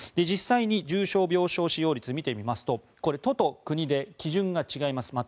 実際に、重症病床使用率を見てみますとこれ、都と国で基準が違います。